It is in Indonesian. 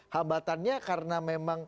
hambatannya karena memang